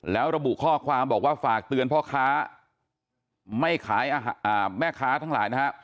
แล้วระบุข้อความบอกว่าฝากเตือนพ่อค้าไม่ขายแม่ค้าทั้งหลายนะฮะ